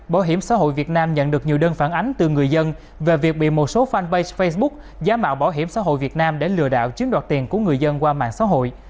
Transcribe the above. bảo hiểm xã hội việt nam nhận được nhiều đơn phản ánh từ người dân về việc bị một số fanpage facebook giá mạo bảo hiểm xã hội việt nam để lừa đảo chiếm đoạt tiền của người dân qua mạng xã hội